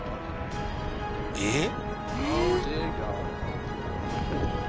えっ。